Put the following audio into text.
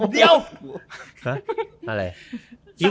เดี๋ยว